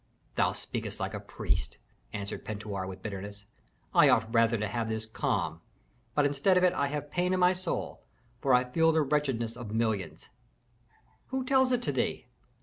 "Thou speakest like a priest," answered Pentuer, with bitterness. "I ought rather to have this calm! But instead of it I have pain in my soul, for I feel the wretchedness of millions " "Who tells it to thee?"